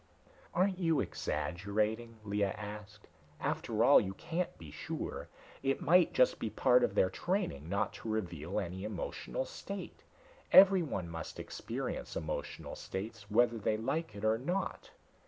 "Aren't you exaggerating?" Lea asked. "After all, you can't be sure. It might just be part of their training not to reveal any emotional state. Everyone must experience emotional states, whether they like it or not."